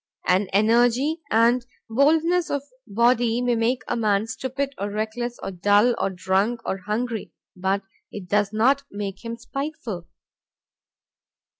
An energy and boldness of body may make a man stupid or reckless or dull or drunk or hungry, but it does not make him spiteful.